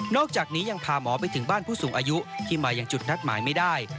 อกจากนี้ยังพาหมอไปถึงบ้านผู้สูงอายุที่มาอย่างจุดนัดหมายไม่ได้